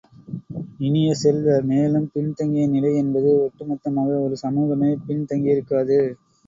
இனிய செல்வ, மேலும் பின்தங்கிய நிலை என்பது ஒட்டு மொத்தமாக ஒரு சமூகமே பின் தங்கியிருக்காது.